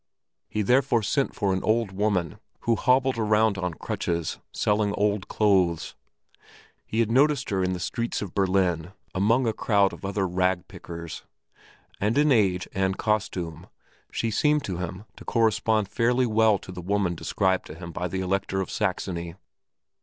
He therefore sent for an old woman who hobbled around on crutches, selling old clothes; he had noticed her in the streets of Berlin among a crowd of other rag pickers, and in age and costume she seemed to him to correspond fairly well to the woman described to him by the Elector of Saxony.